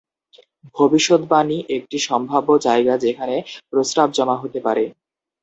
ভবিষ্যদ্বাণী একটি সম্ভাব্য জায়গা যেখানে প্রস্রাব জমা হতে পারে।